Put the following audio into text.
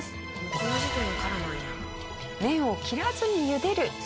この時点からなんや。